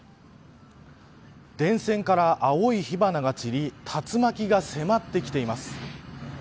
電線から青い火花が散り竜巻が迫ってきています。